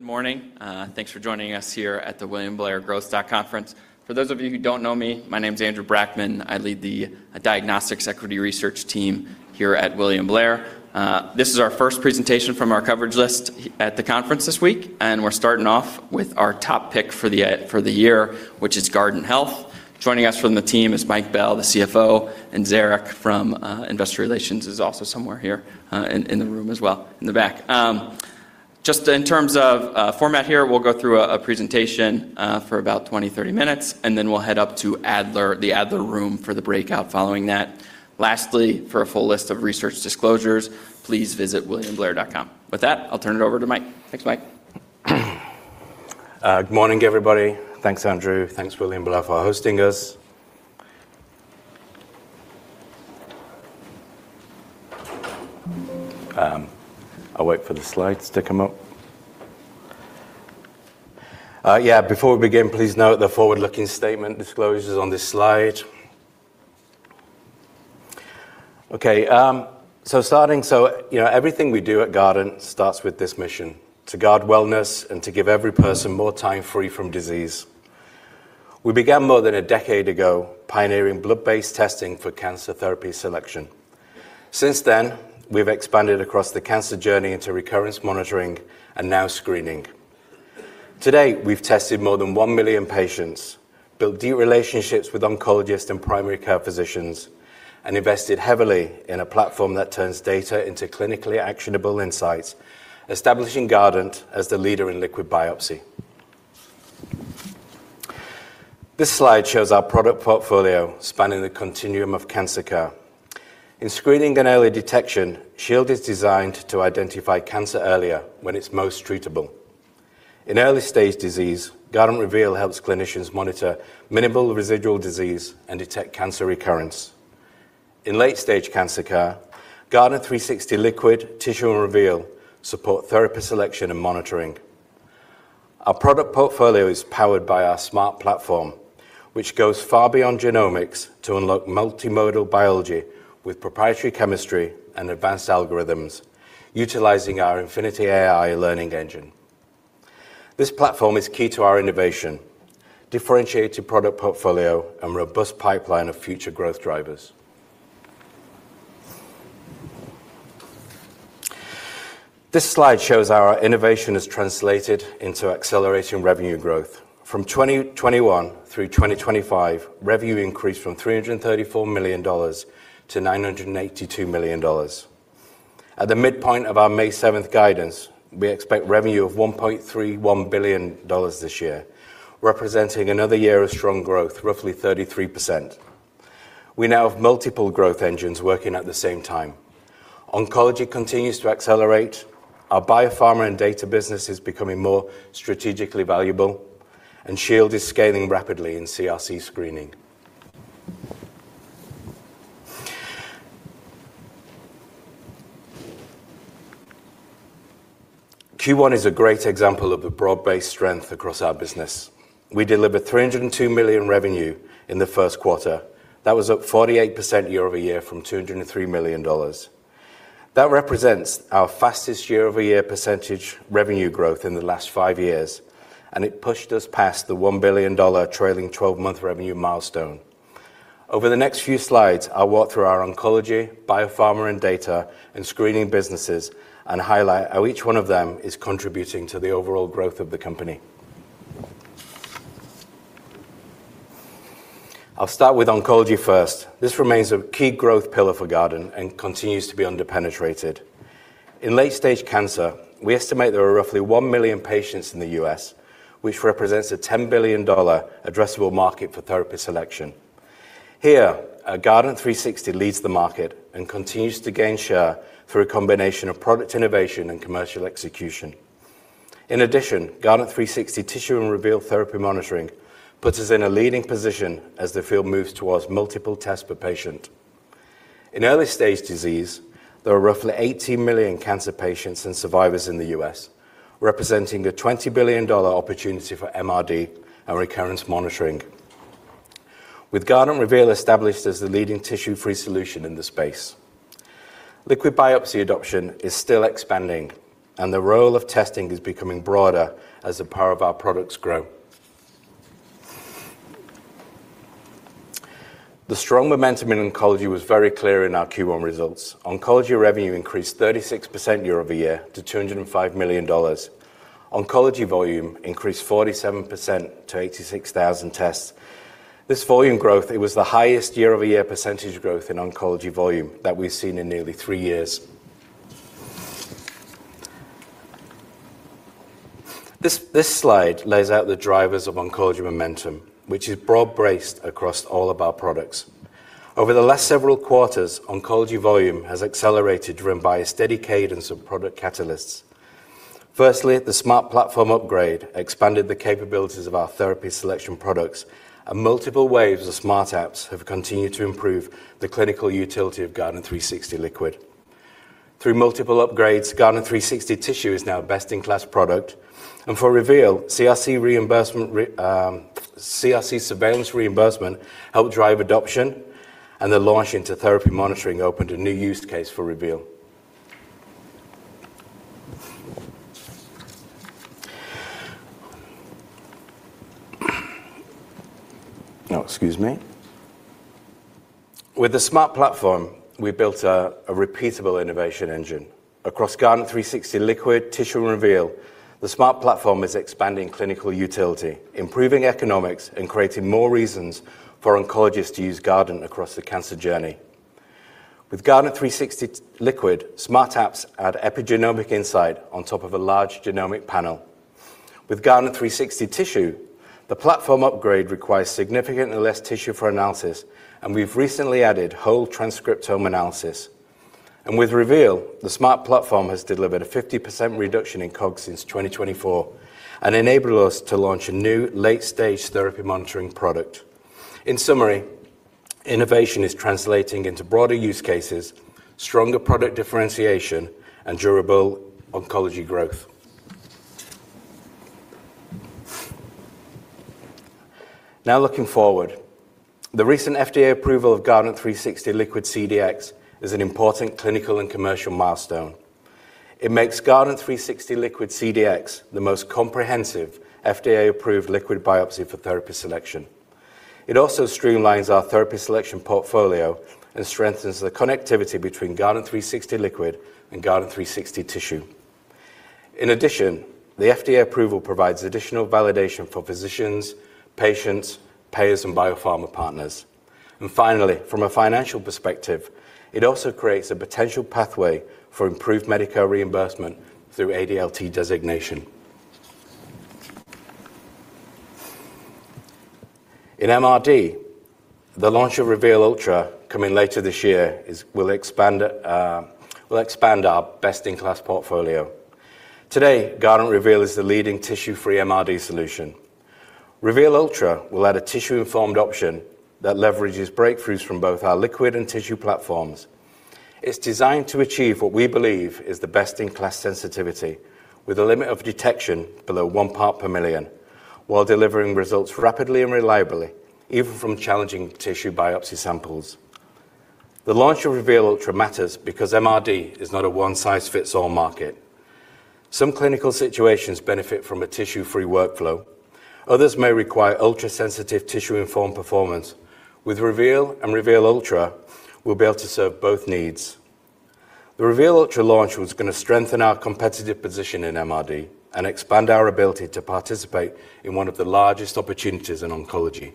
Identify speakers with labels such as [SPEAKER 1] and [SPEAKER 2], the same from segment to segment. [SPEAKER 1] Good morning. Thanks for joining us here at the William Blair Growth Stock Conference. For those of you who don't know me, my name's Andrew Brackmann. I lead the diagnostics equity research team here at William Blair. This is our first presentation from our coverage list at the conference this week. We're starting off with our top pick for the year, which is Guardant Health. Joining us from the team is Mike Bell, the CFO, and Zarak from Investor Relations is also somewhere here in the room as well, in the back. Just in terms of format here, we'll go through a presentation for about 20, 30 minutes, and then we'll head up to the Adler Room for the breakout following that. Lastly, for a full list of research disclosures, please visit williamblair.com. With that, I'll turn it over to Mike. Thanks, Mike.
[SPEAKER 2] Good morning, everybody. Thanks, Andrew. Thanks, William Blair, for hosting us. I'll wait for the slides to come up. Before we begin, please note the forward-looking statement disclosures on this slide. Okay. Everything we do at Guardant starts with this mission, to guard wellness and to give every person more time free from disease. We began more than a decade ago pioneering blood-based testing for cancer therapy selection. Since then, we've expanded across the cancer journey into recurrence monitoring and now screening. To date, we've tested more than 1 million patients, built deep relationships with oncologists and primary care physicians, and invested heavily in a platform that turns data into clinically actionable insights, establishing Guardant as the leader in liquid biopsy. This slide shows our product portfolio spanning the continuum of cancer care. In screening and early detection, Shield is designed to identify cancer earlier when it's most treatable. In early-stage disease, Guardant Reveal helps clinicians monitor minimal residual disease and detect cancer recurrence. In late-stage cancer care, Guardant360 Liquid, Tissue, and Reveal support therapy selection and monitoring. Our product portfolio is powered by our smart platform, which goes far beyond genomics to unlock multimodal biology with proprietary chemistry and advanced algorithms utilizing our InfinityAI learning engine. This platform is key to our innovation, differentiated product portfolio, and robust pipeline of future growth drivers. This slide shows how our innovation has translated into accelerating revenue growth. From 2021 through 2025, revenue increased from $334 million to $982 million. At the midpoint of our May 7th guidance, we expect revenue of $1.31 billion this year, representing another year of strong growth, roughly 33%. We now have multiple growth engines working at the same time. Oncology continues to accelerate, our biopharma and data business is becoming more strategically valuable, and Shield is scaling rapidly in CRC screening. Q1 is a great example of the broad-based strength across our business. We delivered $302 million revenue in the first quarter. That was up 48% year-over-year from $203 million. That represents our fastest year-over-year percentage revenue growth in the last five years, and it pushed us past the $1 billion trailing 12-month revenue milestone. Over the next few slides, I'll walk through our oncology, biopharma and data, and screening businesses and highlight how each one of them is contributing to the overall growth of the company. I'll start with oncology first. This remains a key growth pillar for Guardant and continues to be under-penetrated. In late-stage cancer, we estimate there are roughly 1 million patients in the U.S., which represents a $10 billion addressable market for therapy selection. Here, Guardant360 leads the market and continues to gain share through a combination of product innovation and commercial execution. In addition, Guardant360 Tissue and Guardant Reveal therapy monitoring puts us in a leading position as the field moves towards multiple tests per patient. In early-stage disease, there are roughly 18 million cancer patients and survivors in the U.S., representing a $20 billion opportunity for MRD and recurrence monitoring. With Guardant Reveal established as the leading tissue-free solution in the space. Liquid biopsy adoption is still expanding, the role of testing is becoming broader as the power of our products grow. The strong momentum in oncology was very clear in our Q1 results. Oncology revenue increased 36% year-over-year to $205 million. Oncology volume increased 47% to 86,000 tests. This volume growth, it was the highest year-over-year percentage growth in oncology volume that we've seen in nearly three years. This slide lays out the drivers of oncology momentum, which is broad-based across all of our products. Over the last several quarters, oncology volume has accelerated, driven by a steady cadence of product catalysts. Firstly, the Smart Platform upgrade expanded the capabilities of our therapy selection products, and multiple waves of Smart Apps have continued to improve the clinical utility of Guardant360 Liquid. Through multiple upgrades, Guardant360 Tissue is now a best-in-class product, and for Reveal, CRC surveillance reimbursement helped drive adoption. The launch into therapy monitoring opened a new use case for Reveal. excuse me. With the Smart Platform, we built a repeatable innovation engine. Across Guardant360 Liquid, Tissue, and Reveal, the Smart Platform is expanding clinical utility, improving economics, and creating more reasons for oncologists to use Guardant across the cancer journey. With Guardant360 Liquid, Smart Apps add epigenomic insight on top of a large genomic panel. With Guardant360 Tissue, the platform upgrade requires significantly less tissue for analysis, and we've recently added whole transcriptome analysis. With Reveal, the Smart Platform has delivered a 50% reduction in COGS since 2024 and enabled us to launch a new late-stage therapy monitoring product. In summary, innovation is translating into broader use cases, stronger product differentiation, and durable oncology growth. Looking forward. The recent FDA approval of Guardant360 Liquid CDx is an important clinical and commercial milestone. It makes Guardant360 Liquid CDx the most comprehensive FDA-approved liquid biopsy for therapy selection. It also streamlines our therapy selection portfolio and strengthens the connectivity between Guardant360 Liquid and Guardant360 Tissue. In addition, the FDA approval provides additional validation for physicians, patients, payers, and biopharma partners. Finally, from a financial perspective, it also creates a potential pathway for improved Medicare reimbursement through ADLT designation. In MRD, the launch of Reveal Ultra coming later this year will expand our best-in-class portfolio. Today, Guardant Reveal is the leading tissue-free MRD solution. Reveal Ultra will add a tissue-informed option that leverages breakthroughs from both our liquid and tissue platforms. It's designed to achieve what we believe is the best-in-class sensitivity with a limit of detection below one part per million, while delivering results rapidly and reliably, even from challenging tissue biopsy samples. The launch of Reveal Ultra matters because MRD is not a one-size-fits-all market. Some clinical situations benefit from a tissue-free workflow. Others may require ultra-sensitive tissue-informed performance. With Guardant Reveal and Guardant Reveal Ultra, we'll be able to serve both needs. The Guardant Reveal Ultra launch was going to strengthen our competitive position in MRD and expand our ability to participate in one of the largest opportunities in oncology.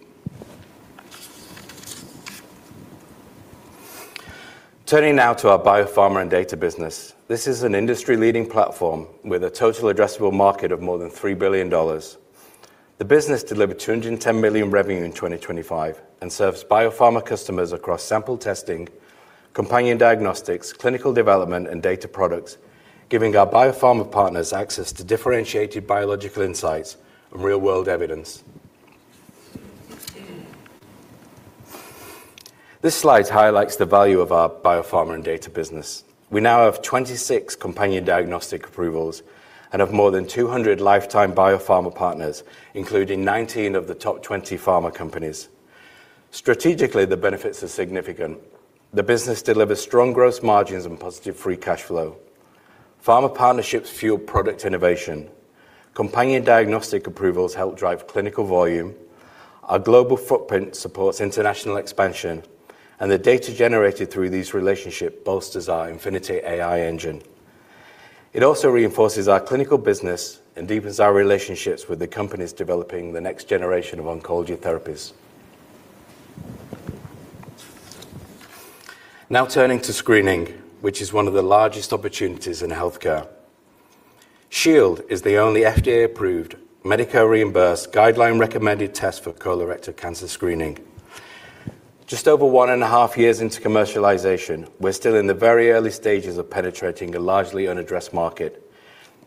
[SPEAKER 2] Turning now to our Pharma and Data business. This is an industry-leading platform with a total addressable market of more than $3 billion. The business delivered $210 million revenue in 2025 and serves biopharma customers across sample testing, companion diagnostics, clinical development, and data products, giving our biopharma partners access to differentiated biological insights of real-world evidence. This slide highlights the value of our biopharma and data business. We now have 26 companion diagnostic approvals and have more than 200 lifetime biopharma partners, including 19 of the top 20 pharma companies. Strategically, the benefits are significant. The business delivers strong gross margins and positive free cash flow. Pharma partnerships fuel product innovation. Companion diagnostic approvals help drive clinical volume. Our global footprint supports international expansion. The data generated through these relationship bolsters our InfinityAI engine. It also reinforces our clinical business and deepens our relationships with the companies developing the next generation of oncology therapies. Turning to screening, which is one of the largest opportunities in healthcare. Shield is the only FDA-approved, Medicare-reimbursed, guideline-recommended test for colorectal cancer screening. Just over one and a half years into commercialization, we're still in the very early stages of penetrating a largely unaddressed market.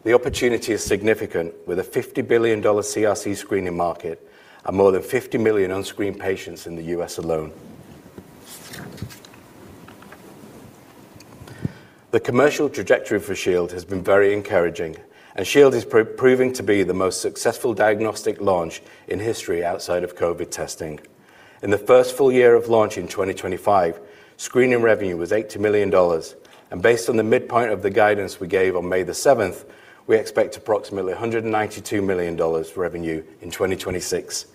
[SPEAKER 2] The opportunity is significant, with a $50 billion CRC screening market and more than 50 million unscreened patients in the U.S. alone. The commercial trajectory for Shield has been very encouraging, and Shield is proving to be the most successful diagnostic launch in history outside of COVID testing. In the first full year of launch in 2025, screening revenue was $82 million. Based on the midpoint of the guidance we gave on May the 7th, we expect approximately $192 million revenue in 2026.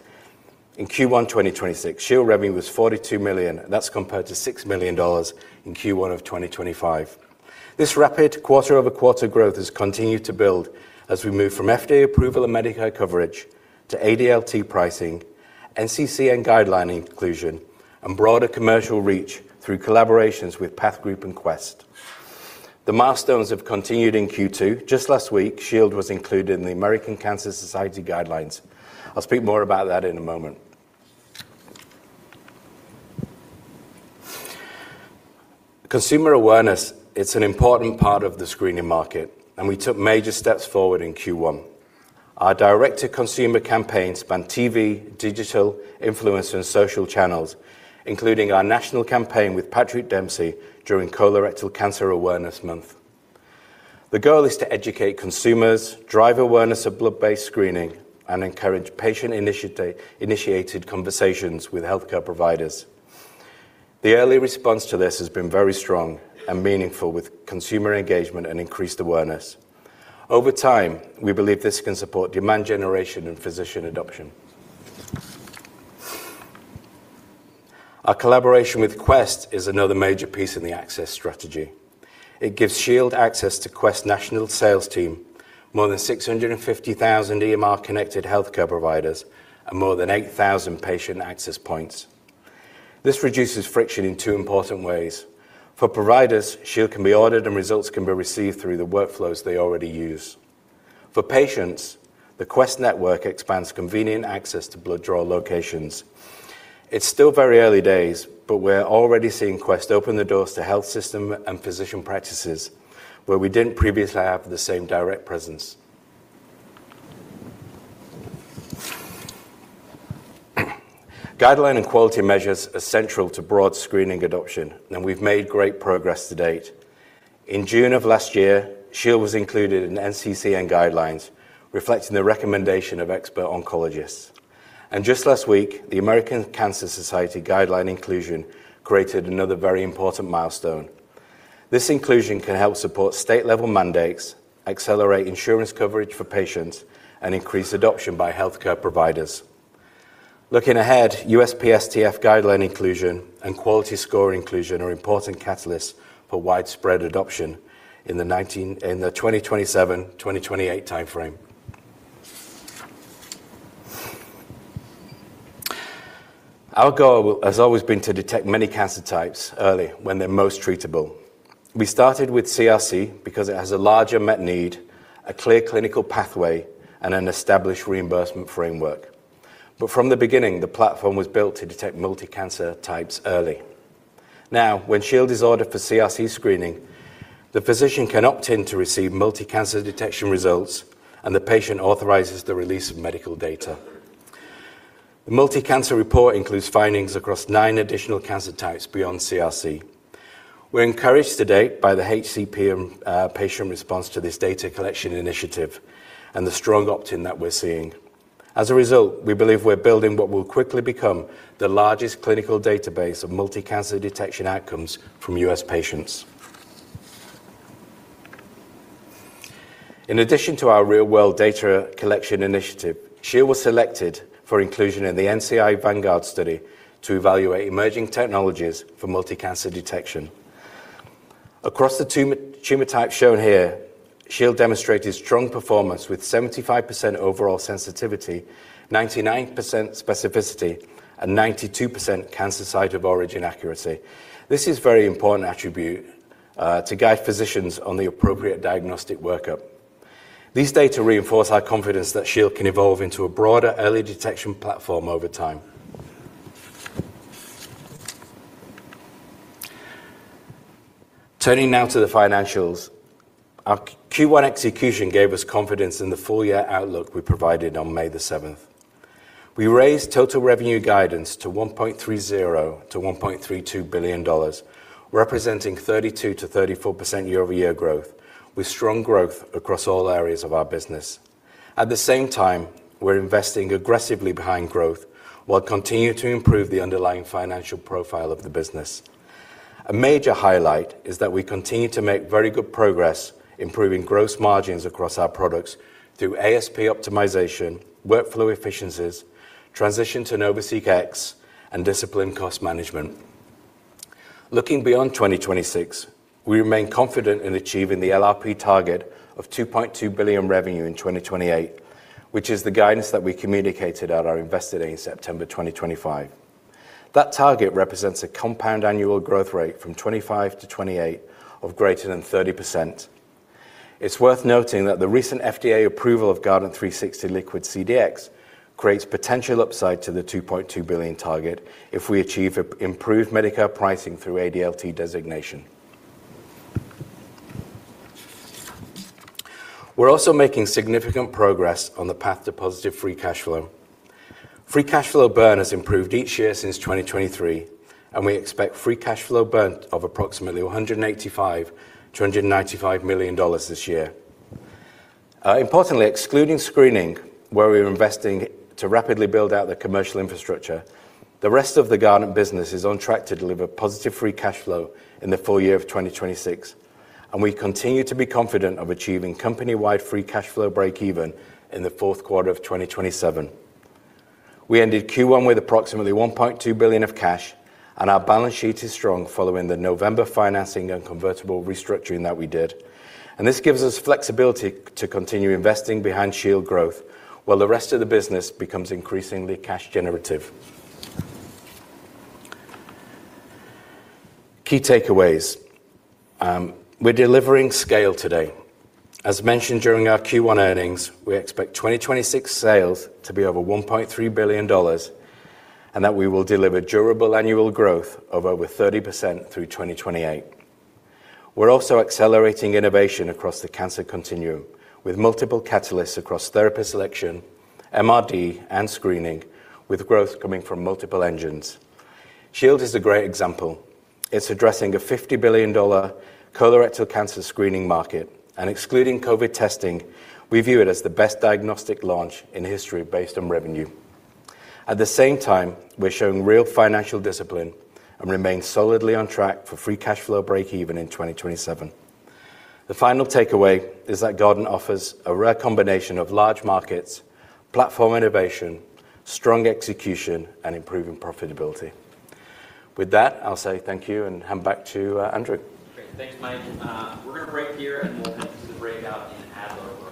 [SPEAKER 2] In Q1 2026, Shield revenue was $42 million. That's compared to $6 million in Q1 of 2025. This rapid quarter-over-quarter growth has continued to build as we move from FDA approval and Medicare coverage to ADLT pricing, NCCN guideline inclusion, and broader commercial reach through collaborations with PathGroup and Quest. The milestones have continued in Q2. Just last week, Shield was included in the American Cancer Society guidelines. I'll speak more about that in a moment. Consumer awareness, it's an important part of the screening market, and we took major steps forward in Q1. Our direct-to-consumer campaign spanned TV, digital, influencer, and social channels, including our national campaign with Patrick Dempsey during Colorectal Cancer Awareness Month. The goal is to educate consumers, drive awareness of blood-based screening, and encourage patient-initiated conversations with healthcare providers. The early response to this has been very strong and meaningful with consumer engagement and increased awareness. Over time, we believe this can support demand generation and physician adoption. Our collaboration with Quest is another major piece in the access strategy. It gives Shield access to Quest national sales team, more than 650,000 EMR-connected healthcare providers, and more than 8,000 patient access points. This reduces friction in two important ways. For providers, Shield can be ordered, and results can be received through the workflows they already use. For patients, the Quest network expands convenient access to blood draw locations. It's still very early days, but we're already seeing Quest open the doors to health system and physician practices where we didn't previously have the same direct presence. Guideline and quality measures are central to broad screening adoption, and we've made great progress to date. In June of last year, Shield was included in NCCN guidelines, reflecting the recommendation of expert oncologists. Just last week, the American Cancer Society guideline inclusion created another very important milestone. This inclusion can help support state-level mandates, accelerate insurance coverage for patients, and increase adoption by healthcare providers. Looking ahead, USPSTF guideline inclusion and quality score inclusion are important catalysts for widespread adoption in the 2027, 2028 timeframe. Our goal has always been to detect many cancer types early when they're most treatable. We started with CRC because it has a larger unmet need, a clear clinical pathway, and an established reimbursement framework. From the beginning, the platform was built to detect multi-cancer types early. Now, when Shield is ordered for CRC screening, the physician can opt in to receive multi-cancer detection results, and the patient authorizes the release of medical data. The multi-cancer report includes findings across 9 additional cancer types beyond CRC. We're encouraged to date by the HCP and patient response to this data collection initiative and the strong opt-in that we're seeing. As a result, we believe we're building what will quickly become the largest clinical database of multi-cancer detection outcomes from U.S. patients. In addition to our real-world data collection initiative, Shield was selected for inclusion in the NCI Vanguard Study to evaluate emerging technologies for multi-cancer detection. Across the tumor types shown here, Shield demonstrated strong performance with 75% overall sensitivity, 99% specificity, and 92% cancer site of origin accuracy. This is very important attribute to guide physicians on the appropriate diagnostic workup. These data reinforce our confidence that Shield can evolve into a broader early detection platform over time. Turning now to the financials. Our Q1 execution gave us confidence in the full-year outlook we provided on May the 7th. We raised total revenue guidance to $1.30 billion-$1.32 billion, representing 32%-34% year-over-year growth, with strong growth across all areas of our business. At the same time, we're investing aggressively behind growth while continuing to improve the underlying financial profile of the business. A major highlight is that we continue to make very good progress improving gross margins across our products through ASP optimization, workflow efficiencies, transition to NovaSeq X, and disciplined cost management. Looking beyond 2026, we remain confident in achieving the LRP target of $2.2 billion revenue in 2028, which is the guidance that we communicated at our Investor Day in September 2025. That target represents a compound annual growth rate from 2025 to 2028 of greater than 30%. It's worth noting that the recent FDA approval of Guardant360 Liquid CDx creates potential upside to the $2.2 billion target if we achieve improved Medicare pricing through ADLT designation. We're also making significant progress on the path to positive free cash flow. Free cash flow burn has improved each year since 2023, and we expect free cash flow burn of approximately $185 million-$195 million this year. Importantly, excluding screening, where we are investing to rapidly build out the commercial infrastructure, the rest of the Guardant business is on track to deliver positive free cash flow in the full year of 2026, and we continue to be confident of achieving company-wide free cash flow breakeven in the fourth quarter of 2027. We ended Q1 with approximately $1.2 billion of cash, our balance sheet is strong following the November financing and convertible restructuring that we did. This gives us flexibility to continue investing behind Shield growth while the rest of the business becomes increasingly cash generative. Key takeaways. We're delivering scale today. As mentioned during our Q1 earnings, we expect 2026 sales to be over $1.3 billion, and that we will deliver durable annual growth of over 30% through 2028. We're also accelerating innovation across the cancer continuum with multiple catalysts across therapy selection, MRD, and screening, with growth coming from multiple engines. Shield is a great example. It's addressing a $50 billion colorectal cancer screening market. Excluding COVID testing, we view it as the best diagnostic launch in history based on revenue. At the same time, we're showing real financial discipline and remain solidly on track for free cash flow breakeven in 2027. The final takeaway is that Guardant offers a rare combination of large markets, platform innovation, strong execution, and improving profitability. With that, I'll say thank you and hand back to Andrew.
[SPEAKER 1] Great. Thanks, Mike. We're going to break here, and we'll head to the breakout in Adler.